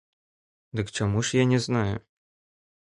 Дык чаму ж я не знаю?